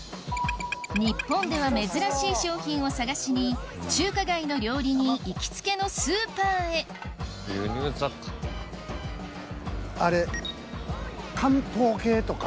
日本では珍しい商品を探しに中華街の料理人行きつけのスーパーへあれ漢方系とか。